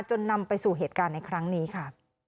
นำไปสู่เหตุการณ์ในครั้งนี้ค่ะ